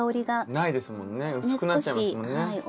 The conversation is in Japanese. ないですもんね薄くなっちゃいますもんね。